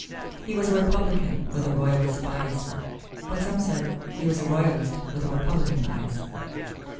He was a Republican with a Royalist bias, but some said he was a Royalist with a Republican bias.